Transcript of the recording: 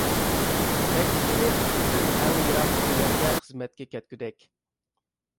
مەكتىپىنى پۈتكۈزۈپ ئەڭ يىراق بىر يەرگە خىزمەتكە كەتكۈدەك.